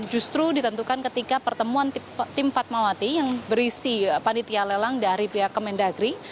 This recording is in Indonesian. justru ditentukan ketika pertemuan tim fatmawati yang berisi panitia lelang dari pihak kemendagri